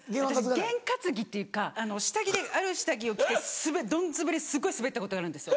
験担ぎっていうか下着である下着を着てどんズベりすっごいスベったことがあるんですよ。